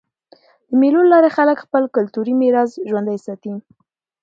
د مېلو له لاري خلک خپل کلتوري میراث ژوندى ساتي.